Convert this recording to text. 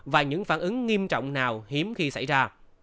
và những phản ứng nghiêm trọng nào hiếm khi xảy ra